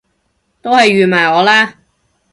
都係預埋我啦！